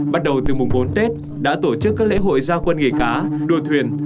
bắt đầu từ mùng bốn tết đã tổ chức các lễ hội gia quân nghề cá đua thuyền